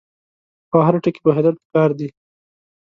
په هر ټکي پوهېدل پکار دي.